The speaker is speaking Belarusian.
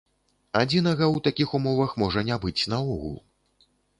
Адзінага ў такіх умовах можа не быць наогул.